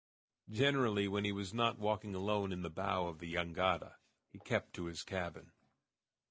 Generally, when he was not walking alone in the bow of the jangada, he kept to his cabin.